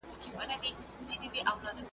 که لوڅ مخي سولې حوري د کابل او بدخشان ,